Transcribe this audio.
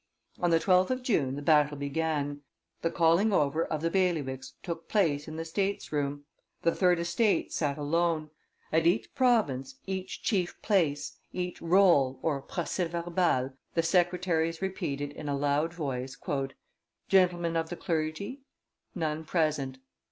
On the 12th of June the battle began; the calling over of the bailiwicks took place in the states room. The third estate sat alone. At each province, each chief place, each roll (proces verbal), the secretaries repeated in a loud voice, "Gentlemen of the clergy? None present.